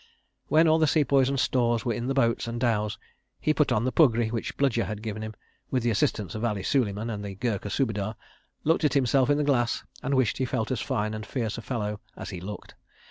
When all the Sepoys and stores were in the boats and dhows, he put on the puggri which Bludyer had given him, with the assistance of Ali Suleiman and the Gurkha Subedar, looked at himself in the glass, and wished he felt as fine and fierce a fellow as he looked.